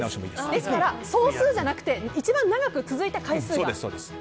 ですから総数じゃなくて一番長く続いた回数です。